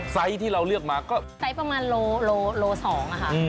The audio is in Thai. ที่เราเลือกมาก็ไซส์ประมาณโล๒ค่ะ